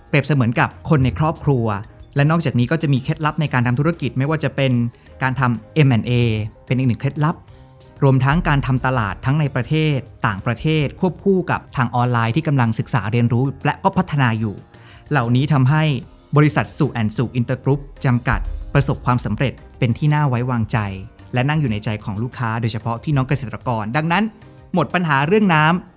เป็นอีกหนึ่งเคล็ดลับรวมทั้งการทำตลาดทั้งในประเทศต่างประเทศควบคู่กับทางออนไลน์ที่กำลังศึกษาเรียนรู้และก็พัฒนาอยู่เหล่านี้ทำให้บริษัทสูอันสูอินเตอร์กรุ๊ปจำกัดประสบความสำเร็จเป็นที่น่าไว้วางใจและนั่งอยู่ในใจของลูกค้าโดยเฉพาะพี่น้องเกษตรกรดังนั้นหมดปัญหาเรื่อง